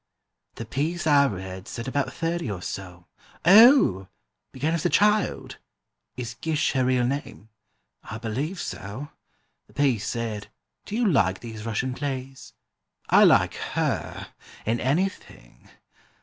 "The piece I read said about thirty or so...." "Oh, began as a child; is Gish her real name?" "I believe so; the piece said...." "Do you like these Russian plays?" "I like her, in anything.